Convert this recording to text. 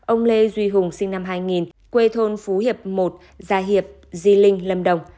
ông lê duy hùng sinh năm hai nghìn quê thôn phú hiệp một gia hiệp di linh lâm đồng